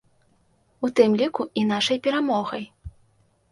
У тым ліку і нашай перамогай.